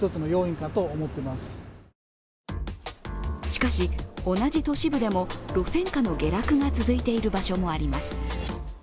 しかし、同じ都市部でも路線価の下落が続いている場所もあります。